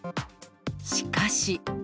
しかし。